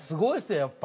やっぱ。